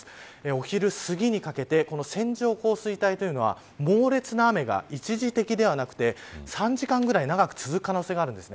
お昼すぎにかけてこの線状降水帯というのは猛烈な雨が、一時的ではなくて３時間ぐらい長く続く可能性があります。